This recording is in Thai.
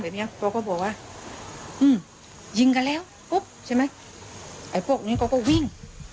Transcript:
เนี้ยเขาก็บอกว่าอืมยิงกันแล้วปุ๊บใช่ไหมไอ้พวกนี้เขาก็วิ่ง